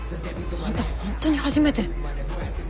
あんたホントに初めて？